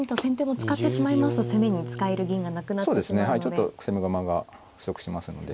ちょっと攻め駒が不足しますので。